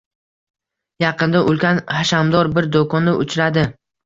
Yaqinda ulkan, hashamdor bir do‘konda uchradi.